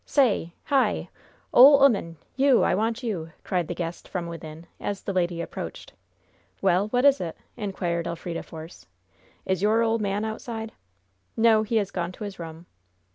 "Say! Hi! Ole 'oman! You! I want you!" cried the guest, from within, as the lady approached. "Well, what is it?" inquired Elfrida Force. "Is your ole man outside?" "No; he has gone to his room."